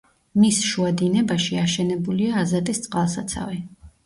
მის შუა დინებაში აშენებულია აზატის წყალსაცავი.